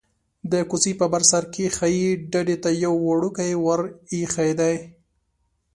د کوڅې په بر سر کې ښيي ډډې ته یو وړوکی ور ایښی دی.